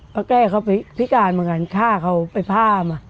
ป๊าแก่เขาพิการมากันฆ่าเขาไปพ่อมา